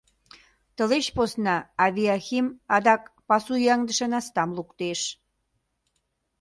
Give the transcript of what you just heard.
Тылеч посна авиахим адак пасу ӱяҥдыше настам луктеш.